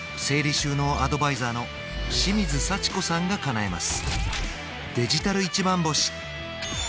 収納アドバイザーの清水幸子さんがかなえます